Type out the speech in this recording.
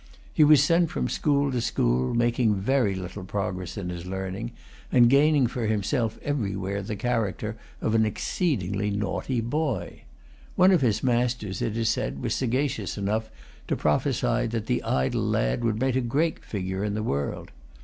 He was sent from school to school, making very little progress in his learning, and gaining for himself everywhere the character of an exceedingly naughty boy. One of his masters, it is said, was sagacious enough to prophesy that the idle lad would make a great figure in the world.